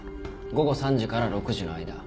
午後３時から６時の間。